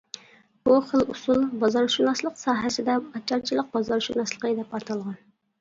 بۇ خىل ئۇسۇل بازارشۇناسلىق ساھەسىدە «ئاچارچىلىق بازارشۇناسلىقى» دەپ ئاتالغان.